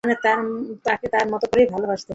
মানে, তাকে তার মতো করেই ভালোবাসতাম।